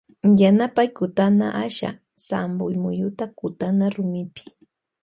Yanapay kutashpa asha sampo muyuta kutana rumipi.